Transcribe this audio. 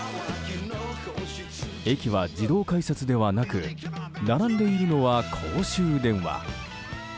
駅は自動改札ではなく並んでいるのは公衆電話。